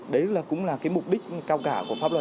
đấy cũng là cái mục đích cao cả của pháp luật